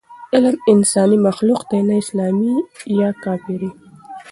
علم انساني مخلوق دی، نه اسلامي یا کافري.